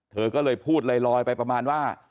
เธอก็เลยพูดลอยไปประมาณว่า